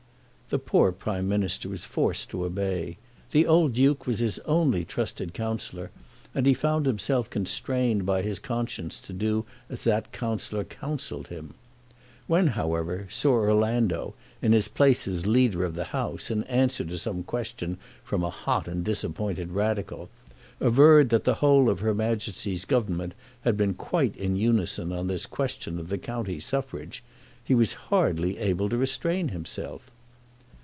The poor Prime Minister was forced to obey. The old Duke was his only trusted counsellor, and he found himself constrained by his conscience to do as that counsellor counselled him. When, however, Sir Orlando, in his place as Leader of the House, in answer to some question from a hot and disappointed Radical, averred that the whole of her Majesty's Government had been quite in unison on this question of the county suffrage, he was hardly able to restrain himself.